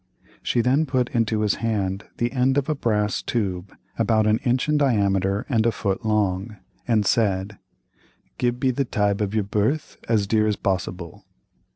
She then put into his hand the end of a brass tube about an inch in diameter and a foot long, and said: "Give be the tibe of your birth as dear as possible."